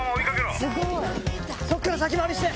そっから先回りして！